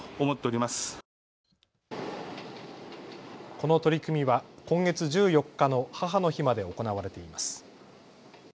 この取り組みは今月１４日の母の日まで行われています。